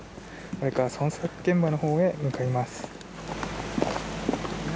これから捜索現場のほうへ向かいます。